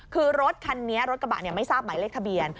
คือรถคันนี้รถกระบะไม่ทราบหมายเลขทะเบียน